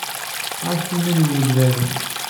Ɛasset iman-nwen deg iberdan!